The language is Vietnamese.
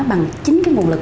bằng chính cái nguồn lực